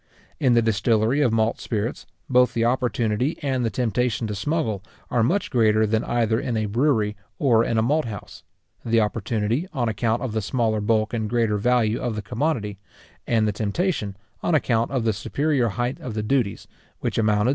In the distillery of malt spirits, both the opportunity and the temptation to smuggle are much greater than either in a brewery or in a malt house; the opportunity, on account of the smaller bulk and greater value of the commodity, and the temptation, on account of the superior height of the duties, which amounted to 3s.